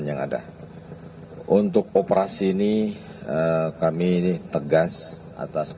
yang harus kita jaga